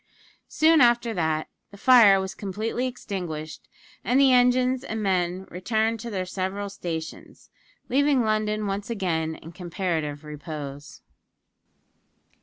Soon after that, the fire was completely extinguished, and the engines and men returned to their several stations, leaving London once again in comparative repose.